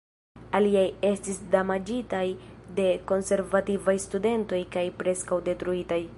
Aliaj estis damaĝitaj de konservativaj studentoj kaj preskaŭ detruitaj.